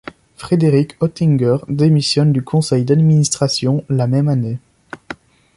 Frédéric Hottinger démissionne du conseil d'administration la même année.